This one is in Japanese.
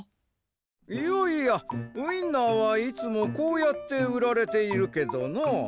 いやいやウインナーはいつもこうやってうられているけどなあ。